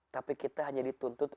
tapi kita hanya dituntut